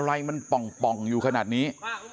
อะไรมันป่องอยู่ขนาดนี้